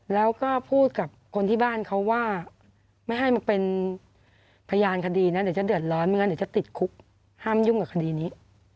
แล้วก็พูดกับคนที่บ้านเขาว่าไม่ให้มาเป็นพยานคดีนะเดี๋ยวจะเดือดร้อนไม่งั้นเดี๋ยวจะติดคุกห้ามยุ่งกับคดีนี้